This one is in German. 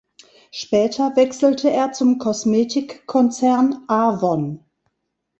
Später wechselte er zum Kosmetikkonzern "Avon".